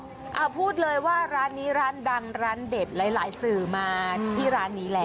เอาพูดเลยว่าร้านนี้ร้านดังร้านเด็ดหลายสื่อมาที่ร้านนี้แล้ว